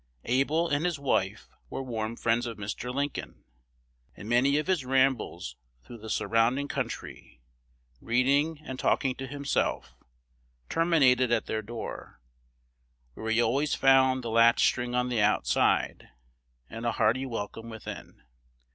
Able and his wife were warm friends of Mr. Lincoln; and many of his rambles through the surrounding country, reading and talking to himself, terminated at their door, where he always found the latch string on the outside, and a hearty welcome within.